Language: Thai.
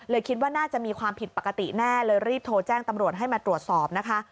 คิดว่าน่าจะมีความผิดปกติแน่เลยรีบโทรแจ้งตำรวจให้มาตรวจสอบนะคะ